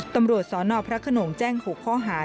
ตำรวจสนพระขนงแจ้ง๖ข้อหา